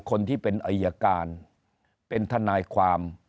คนที่เป็นอายการเป็นทนายความ